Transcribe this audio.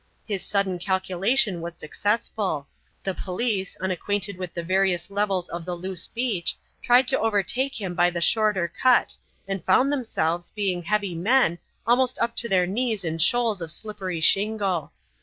His sudden calculation was successful; the police, unacquainted with the various levels of the loose beach, tried to overtake him by the shorter cut and found themselves, being heavy men, almost up to their knees in shoals of slippery shingle.